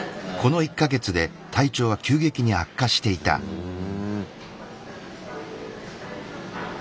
ふん。